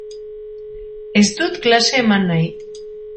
Ez dut klase eman nahi.